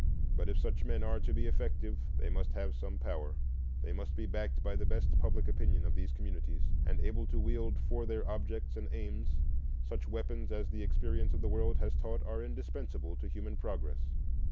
But if such men are to be effective they must have some power,—they must be backed by the best public opinion of these communities, and able to wield for their objects and aims such weapons as the experience of the world has taught are indispensable to human progress.